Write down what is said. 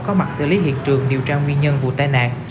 có mặt xử lý hiện trường điều tra nguyên nhân vụ tai nạn